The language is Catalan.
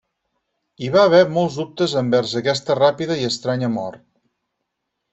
Hi va haver molts dubtes envers aquesta ràpida i estranya mort.